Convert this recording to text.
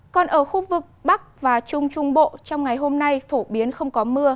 còn ở khu vực bắc và trung trung bộ trong ngày hôm nay phổ biến không có mưa